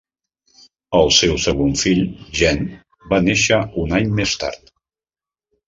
El seu segon fill, Gen, va néixer un any més tard.